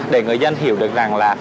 để người dân hiểu được rằng là